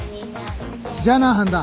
じゃあな半田。